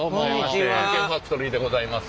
「探検ファクトリー」でございます。